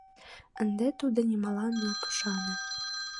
— Ынде тудо нимолан ок ӱшане.